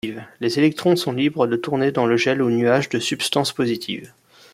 Les électrons sont libres de tourner dans le gel ou nuage de substance positive.